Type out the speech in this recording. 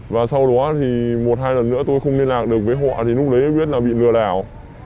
và sau đó thì một hai lần nữa tôi không liên lạc được với họ thì lúc đấy mới biết là bị lừa đảo